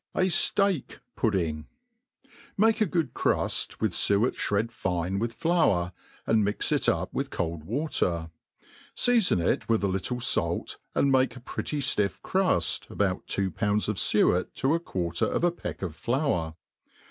A Steak Pudding. MAKE a good cruft, with fuet flired fine with flour, ajid mix it up .with cold water. Seafon it with a little fait, and , make a pretty ftiff cruft, about two pounds of fuet to a quarter of a peck of flour.